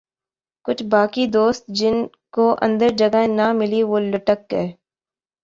کچھ باقی دوست جن کو اندر جگہ نہ ملی وہ لٹک گئے ۔